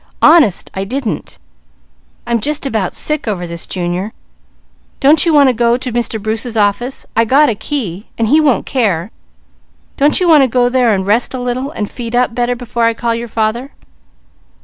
Honest I didn't! I'm just about sick over this Junior. Don't you want to go to Mr. Bruce's office I got a key and he won't care don't you want to go there and rest a little, and feed up better, before I call your father?"